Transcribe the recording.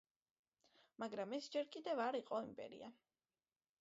მაგრამ ეს ჯერ კიდევ არ იყო იმპერია.